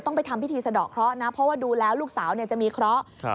ไปทำพิธีสะดอกเคราะห์นะเพราะว่าดูแล้วลูกสาวเนี่ยจะมีเคราะห์